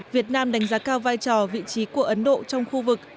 việt nam đánh giá cao vai trò vị trí của ấn độ trong khu vực